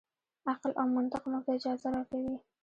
عقل او منطق موږ ته اجازه راکوي.